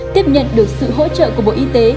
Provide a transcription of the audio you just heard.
tiếp nhận được sự hỗ trợ của bộ y tế